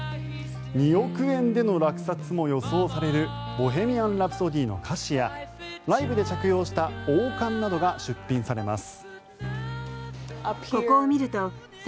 ２億円での落札も予想される「ボヘミアン・ラプソディ」の歌詞やライブで着用した王冠などが出品されます。